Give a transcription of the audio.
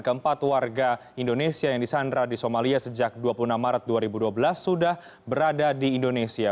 keempat warga indonesia yang disandra di somalia sejak dua puluh enam maret dua ribu dua belas sudah berada di indonesia